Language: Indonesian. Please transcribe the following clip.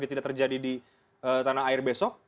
tidak terjadi di tanah air besok